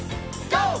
ＧＯ！